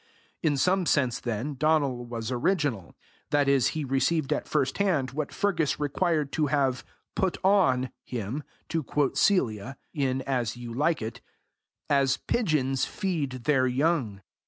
In some sense, then, Donal was original; that is, he received at first hand what Fergus required to have "put on" him, to quote Celia, in As you like it, "as pigeons feed their young."